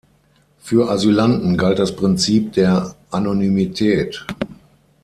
Für Asylanten galt das Prinzip der Anonymität.